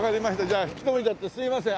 引き留めちゃってすいません。